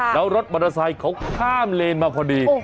แล้วรถมอเตอร์ไซค์เขาข้ามเลนมาพอดี